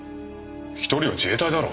１人は自衛隊だろ？